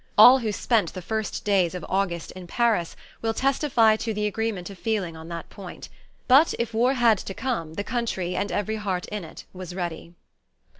All who spent the first days of August in Paris will testify to the agreement of feeling on that point. But if war had to come, the country, and every heart in it, was ready.